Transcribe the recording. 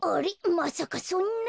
まさかそんな。